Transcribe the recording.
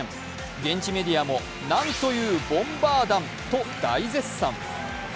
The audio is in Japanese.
現地メディアも、なんというボンバー弾と大絶賛。